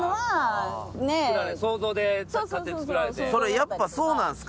やっぱそうなんですか。